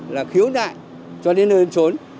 là khiếu nại cho đến nơi trốn